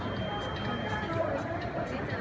มันเป็นสิ่งที่จะให้ทุกคนรู้สึกว่า